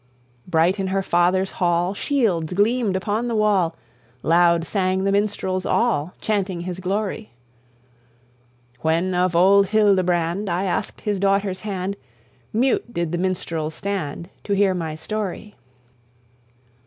"Bright in her father's hall Shields gleamed upon the wall, Loud sang the minstrels all, Chanting his glory; When of old Hildebrand I asked his daughter's hand, Mute did the minstrels stand To hear my story.